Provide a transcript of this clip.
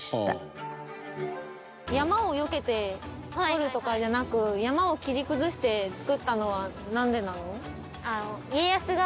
山をよけて掘るとかじゃなく山を切り崩して造ったのはなんでなの？